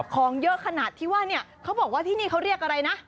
ของเยอะขนาดที่ว่าเนี่ยเขาบอกว่าที่นี่เขาเรียกอะไรนะ